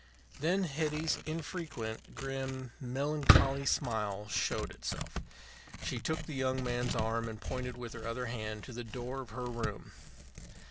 Then Hetty's infrequent, grim, melancholy smile showed itself. She took the young man's arm and pointed with her other hand to the door of her room.